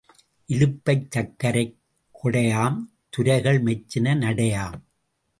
இலுப்பைச் சர்க்கரைக் கொடையாம் துரைகள் மெச்சின நடையாம்.